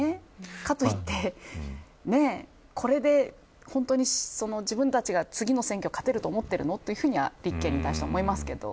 かといって、これで本当に自分たちが次の選挙勝てると思ってるのというふうには思いますけど。